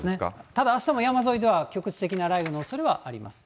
ただ、あしたも山沿いでは局地的な雷雨のおそれはあります。